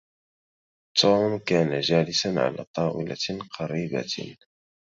توم كان جالسا على طاولة قريبة.